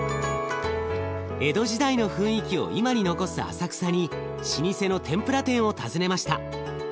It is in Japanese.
江戸時代の雰囲気を今に残す浅草に老舗の天ぷら店を訪ねました。